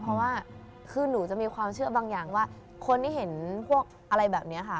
เพราะว่าคือหนูจะมีความเชื่อบางอย่างว่าคนที่เห็นพวกอะไรแบบนี้ค่ะ